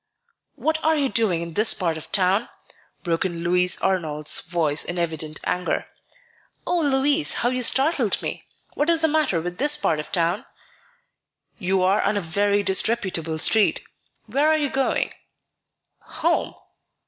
"What are you doing in this part of town?" broke in Louis Arnold's voice in evident anger. "Oh, Louis, how you startled me! What is the matter with this part of town?" "You are on a very disreputable street. Where are you going?" "Home."